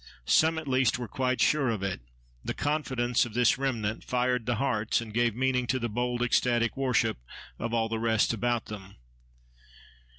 Some at least were quite sure of it; and the confidence of this remnant fired the hearts, and gave meaning to the bold, ecstatic worship, of all the rest about them.